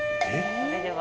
それでは。